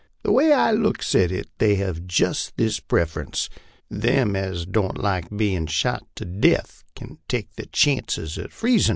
The way I looks at it they hev jist this preference : them as don't like bein' shot to deth kin take ther chances at freezin'."